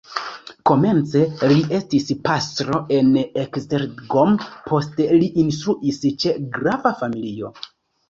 Komence li estis pastro en Esztergom, poste li instruis ĉe grafa familio.